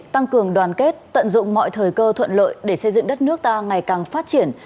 tăng cường đoàn kết tận dụng mọi thời cơ thuận lợi để xây dựng đất nước ta ngày càng phát triển